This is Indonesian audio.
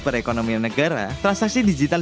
perekonomian negara transaksi digital